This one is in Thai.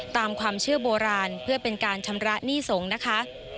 ตามความเชื่อโบราณเพื่อเป็นการชำระหนี้สงฆ์นะคะ